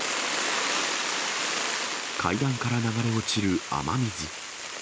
階段から流れ落ちる雨水。